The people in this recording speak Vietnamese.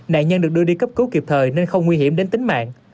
nạn nhân được đưa đi cấp cứu kịp thời nên không nguy hiểm đến tính mạng